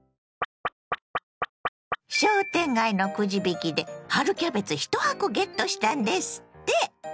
商店街のくじ引きで春キャベツ１箱ゲットしたんですって！